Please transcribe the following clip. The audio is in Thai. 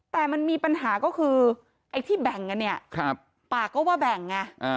แต่มันมีปัญหาก็คือไอ้ที่แบ่งกันเนี่ยปากก็ว่าแบ่งไง